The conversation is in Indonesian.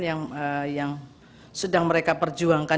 yang sedang mereka perjuangkan